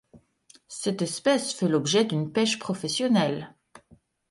Cette espèce fait l'objet d'une pêche professionnelle.